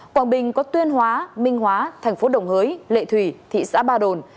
quảng bình có tuyên hóa minh hóa thành phố đồng hới lệ thủy thị xã ba đồn